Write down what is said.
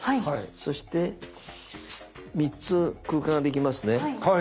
そして３つ空間ができますね。